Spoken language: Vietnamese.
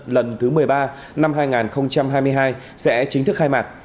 lần thứ một mươi ba năm hai nghìn hai mươi hai sẽ chính thức khai mạc